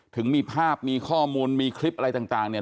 ถึงมีภาพมีข้อมูลมีคลิปอะไรต่างเนี่ย